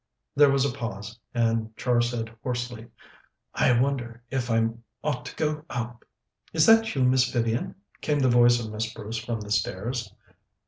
There was a pause, and Char said hoarsely: "I wonder if I ought to go up?" "Is that you, Miss Vivian?" came the voice of Miss Bruce from the stairs.